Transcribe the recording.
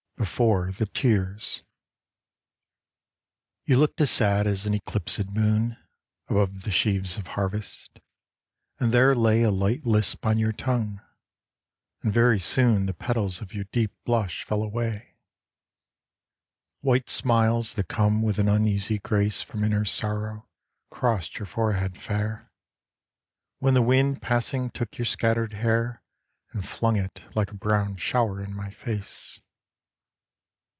BEFORE THE TEARS You looked as sad as an eclipsed moon Above the sheaves of harvest, and there lay A light lisp on your tongue, and very soon The petals of your deep blush fell away; White smiles that come with an uneasy grace From inner sorrow crossed your forehead fair, When the wind passing took your scattered hair And flung it like a brown shower in my face.